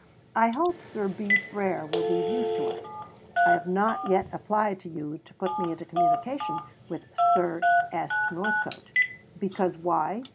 I hope Sir B. Frere will be of use to us. I have not yet applied to you to put me into communication with Sir S. Northcote. Because why?